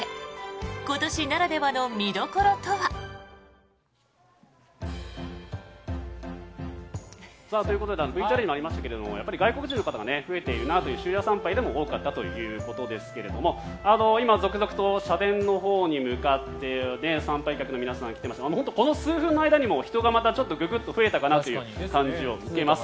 今年ならではの見どころとは。ということでＶＴＲにもありましたけれどやっぱり外国人の方が増えているなと終夜参拝でも多かったということですが今、続々と社殿のほうに向かって参拝客の皆さんが来ていますが本当にこの数分の間にも人がググッと増えたかなという印象を受けます。